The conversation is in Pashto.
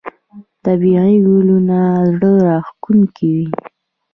طبیعي ګلونه زړه راښکونکي وي.